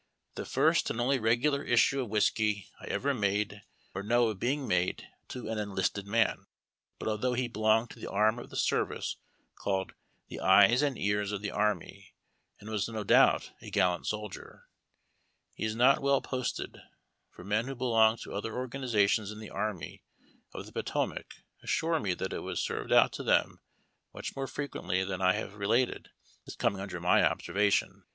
" the first and only regular issue of whiskey I ever made or know of being made to an enlisted man." But altliough he belonged to the arm of the service called " the eyes and ears of the army," and was no doubt a gal lant soldier, he is not well posted ; for men who belonged to other organizations in the Army of the Potomac assure me that it was served out to them much more frequently than I have related as coming under my observation.